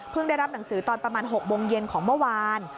ได้รับหนังสือตอนประมาณ๖โมงเย็นของเมื่อวาน